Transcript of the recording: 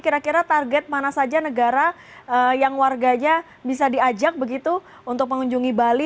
kira kira target mana saja negara yang warganya bisa diajak begitu untuk mengunjungi bali